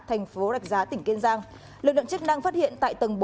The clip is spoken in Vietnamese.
thành phố rạch giá tỉnh kiên giang lực lượng chức năng phát hiện tại tầng bốn